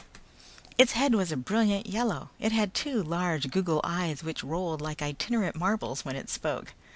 Its head was a brilliant yellow. It had two large goggle eyes which rolled like itinerant marbles when it spoke.